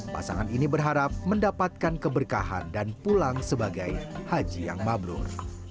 pasangan ini berharap mendapatkan keberkahan dan pulang sebagai haji yang mabruk